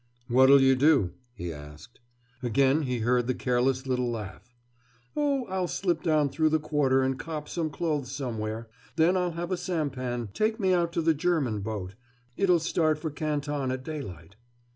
"What'll you do?" he asked. Again he heard the careless little laugh. "Oh, I'll slip down through the Quarter and cop some clothes somewhere. Then I'll have a sampan take me out to the German boat. It'll start for Canton at daylight."